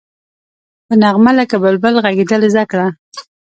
په نغمه لکه بلبل غږېدل زده کړه.